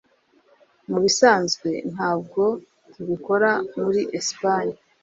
Mubisanzwe ntabwo tubikora muri Espagne